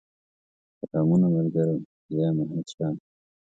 سلامونه ملګرو! زه يم احمدشاه